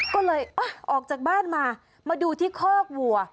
ก็เลยออกจากบ้านมามาดูที่คอกวัว